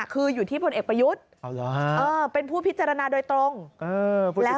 คืออยู่ที่ผลเอกประยุทธิ์